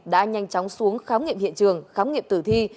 đã nhanh chóng xuống khám nghiệm hiện trường khám nghiệm tử thi